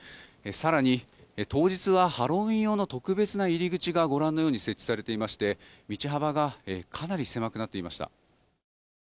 更に当日は、ハロウィーン用の特別な入り口が設置されていまして道幅がかなり狭くなっていました。